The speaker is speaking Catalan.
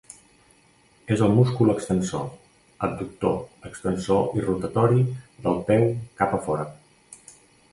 És el múscul extensor, abductor, extensor i rotatori del peu cap a fora.